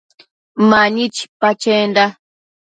Mani chipa chenda